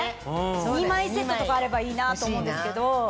２枚セットとかあればいいなぁと思うんですけど。